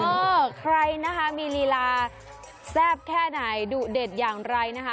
เออใครนะคะมีลีลาแซ่บแค่ไหนดุเด็ดอย่างไรนะคะ